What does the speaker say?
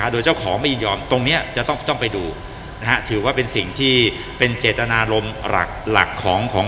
โดยเจ้าของไม่ยอมตรงนี้จะต้องไปดูนะฮะถือว่าเป็นสิ่งที่เป็นเจตนารมณ์หลักของ